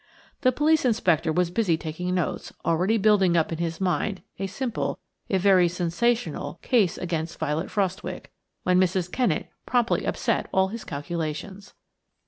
The police inspector was busy taking notes, already building up in his mind a simple, if very sensational, case against Violet Frostwicke, when Mrs. Kennett promptly upset all his calculations.